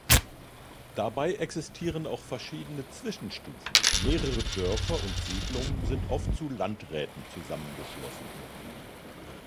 Dabei existieren auch verschiedene Zwischenstufen, mehrere Dörfer und Siedlungen sind oft zu Landräten zusammengeschlossen.